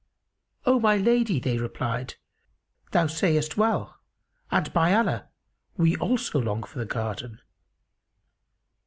"O my lady," they replied, "thou sayest well, and by Allah, we also long for the garden!"